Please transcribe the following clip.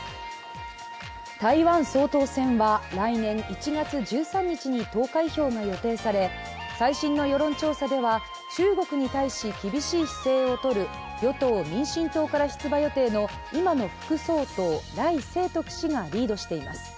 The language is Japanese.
台湾総統選は来年１月１３日に投開票が予定され最新の世論調査では中国に対し厳しい姿勢をとる与党・民進党から出馬予定の今の副総統、頼清徳氏がリードしています。